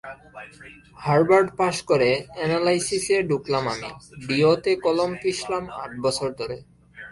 Harvard পাশ করে অ্যানালাইসিসে ঢুকলাম আমি, ডিও তে কলম পিষলাম আট বছর ধরে।